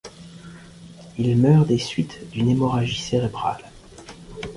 Il meurt des suites d'une hémorragie cérébrale.